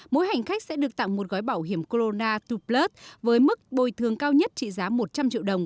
mỗi hành khách sẽ được tặng một gói bảo hiểm corona toplus với mức bồi thường cao nhất trị giá một trăm linh triệu đồng